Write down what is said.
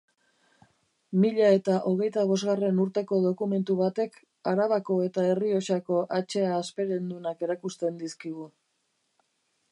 Mila eta hogeita bosgarren urteko dokumentu batek Arabako eta Errioxako hatxea hasperendunak erakusten dizkigu.